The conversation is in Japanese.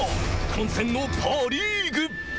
混戦のパ・リーグ。